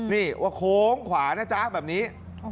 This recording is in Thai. นี่ว่าโค้งขวานะจ๊ะแบบนี้